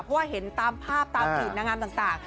เพราะว่าเห็นตามภาพตามจีบนางงามต่าง